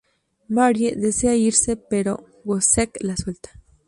Marie desea irse, pero Wozzeck la sujeta.